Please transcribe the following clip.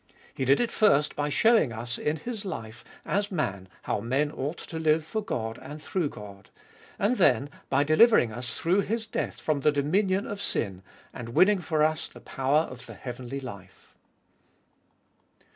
He did it first by showing us in His life, as Man, how men ought to live for God and through God. And then by delivering us through His death from the dominion of sin, and winning for us the power of the heavenly life.